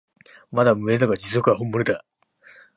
まだ無名だが実力は本物だ